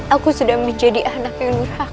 aku sudah menjadi anak yang lurhak